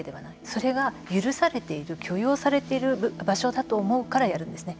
それが許されている許容されている場所だと思うからやるんですね。